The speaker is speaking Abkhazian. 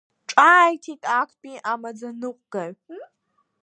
Ҿааиҭит актәи амаӡаныҟәгаҩ.